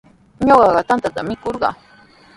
Ñuqa tantata mikurqaa.